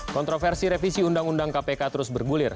kontroversi revisi undang undang kpk terus bergulir